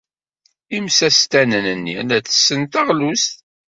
Imsestanen-nni la tessen taɣlust.